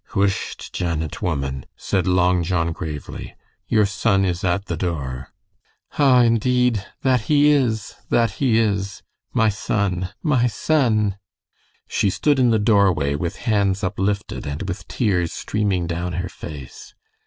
"Whisht, Janet, woman!" said Long John, gravely. "Your son is at the door." "Ah, indeed, that he is, that he is! My son! My son!" She stood in the doorway with hands uplifted and with tears streaming down her face.